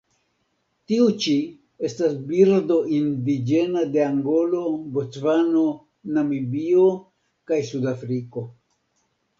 Tiu ĉi estas birdo indiĝena de Angolo, Bocvano, Namibio kaj Sudafriko.